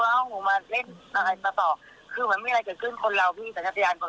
แล้วก็เอาให้ใครมาขบคุณ